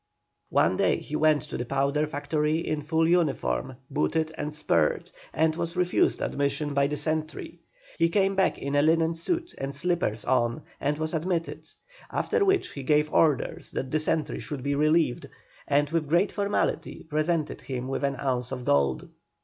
One day he went to the powder factory in full uniform, booted and spurred, and was refused admission by the sentry. He came back in a linen suit with slippers on, and was admitted. After which he gave orders that the sentry should be relieved, and with great formality presented him with an ounce of gold.